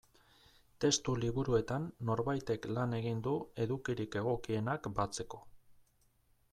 Testu liburuetan norbaitek lan egin du edukirik egokienak batzeko.